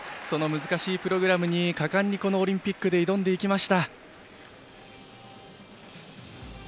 その難しいプログラムに果敢にこのオリンピックで挑んでいきました。